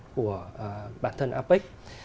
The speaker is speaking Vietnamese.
của bản thân apec